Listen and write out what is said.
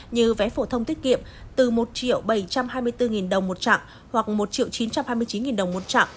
như vé phổ thông tiết kiệm từ một bảy trăm hai mươi bốn đồng một chặng hoặc một chín trăm hai mươi chín đồng một chặng